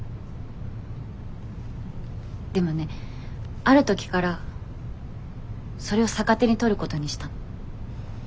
でもねある時からそれを逆手に取ることにしたの。